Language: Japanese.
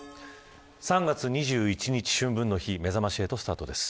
３月２１日春分の日めざまし８スタートです。